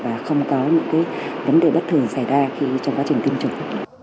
và không có những vấn đề bất thường xảy ra khi trong quá trình tiêm chủng